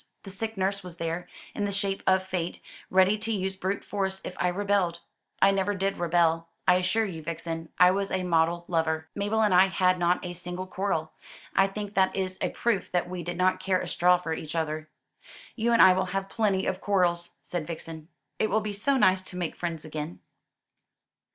The sick nurse was there, in the shape of Fate, ready to use brute force if I rebelled. I never did rebel. I assure you, Vixen, I was a model lover. Mabel and I had not a single quarrel. I think that is a proof that we did not care a straw for each other." "You and I will have plenty of quarrels," said Vixen. "It will be so nice to make friends again."